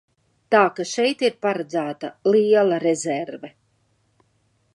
Tā ka šeit ir paredzēta liela rezerve.